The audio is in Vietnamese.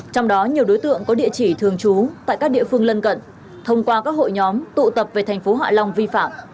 trong đó nhiều đối tượng có địa chỉ thường trú tại các địa phương lân cận thông qua các hội nhóm tụ tập về thành phố hạ long vi phạm